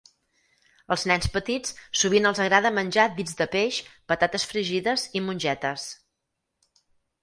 Els nens petits sovint els agrada menjar dits de peix, patates fregides i mongetes